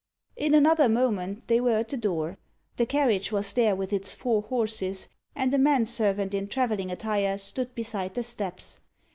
In another moment they were at the door. The carriage was there with its four horses, and a man servant, in travelling attire, stood beside the steps.